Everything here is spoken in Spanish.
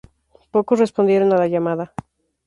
Pocos respondieron a la llamada.